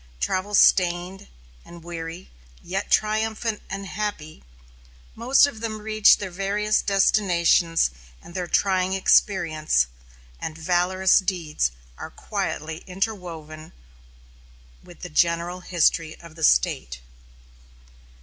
Travel stained and weary, yet triumphant and happy, most of them reach their various destinations, and their trying experiences and valorous deeds are quietly interwoven with the general history of the State.